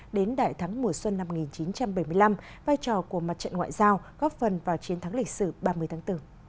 đến đại thắng mùa xuân năm một nghìn chín trăm bảy mươi năm vai trò của mặt trận ngoại giao góp phần vào chiến thắng lịch sử ba mươi tháng bốn